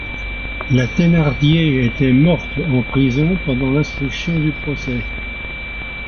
La Thénardier était morte en prison pendant l'instruction du procès.